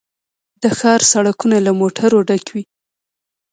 د ښار سړکونه له موټرو ډک وي